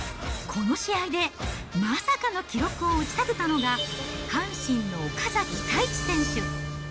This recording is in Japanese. この試合でまさかの記録を打ち立てたのが阪神の岡崎太一選手。